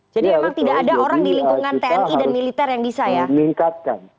memang tidak ada orang di lingkungan tni dan militer yang bisa ya